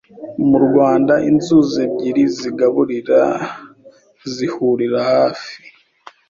Murwanda Inzuzi ebyiri zigaburira zihurira hafi